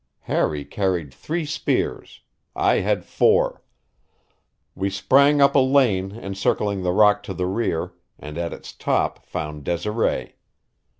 Harry carried three spears. I had four. We sprang up a lane encircling the rock to the rear and at its top found Desiree.